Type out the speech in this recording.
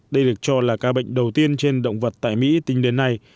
đây được cho là ca bệnh đầu tiên trên động vật tại mỹ tính đến nay